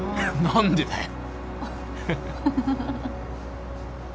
何でだよ。